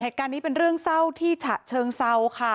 เหตุการณ์นี้เป็นเรื่องเศร้าที่ฉะเชิงเซาค่ะ